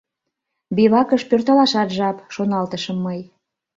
«Бивакыш пӧртылашат жап», — шоналтышым мый.